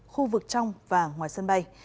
khu vực trong và ngoài sân bay